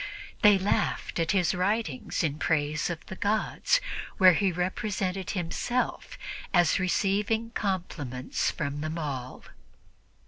They laughed at his writings in praise of the gods, where he represented himself as receiving compliments from them all.